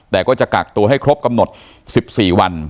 แต่ก็จะกักตัวให้ครบกำหนด๑๔วัน